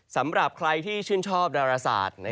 สำหรับใครที่ชื่นชอบดาราศาสตร์